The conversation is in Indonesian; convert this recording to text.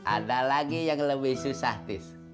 ada lagi yang lebih susah dis